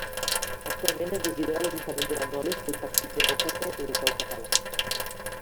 Actualment és regidora a l'Ajuntament de Banyoles pel Partit Demòcrata Europeu Català.